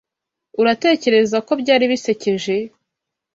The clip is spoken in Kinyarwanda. Uratekereza ko byari bisekeje?